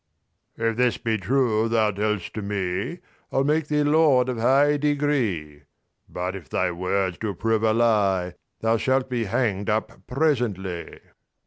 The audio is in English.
'—XXV'If this be true thou tell'st to me, I'll make thee lord of high degree; But if thy words do prove a lie, Thou shalt be hang'd up presently.